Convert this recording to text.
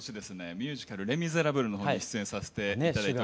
ミュージカル「レ・ミゼラブル」の方に出演させて頂いておりました。